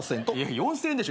４，０００円でしょ。